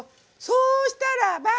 そうしたらば。